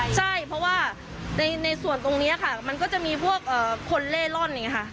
ใช่เพราะว่าในส่วนตรงนี้ค่ะมันก็จะมีพวกคนเล่ร่อนอย่างนี้ค่ะ